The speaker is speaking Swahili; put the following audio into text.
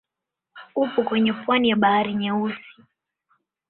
Upo kwenye pwani ya Bahari Nyeusi.